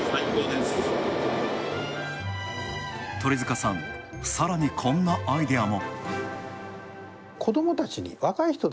鳥塚さん、さらにこんなアイデアも。